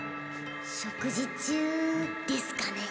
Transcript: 食事中ですかね？